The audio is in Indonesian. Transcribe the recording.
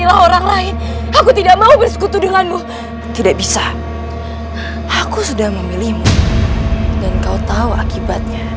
jangan sampai kabur